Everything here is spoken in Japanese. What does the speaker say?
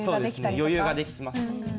余裕ができました。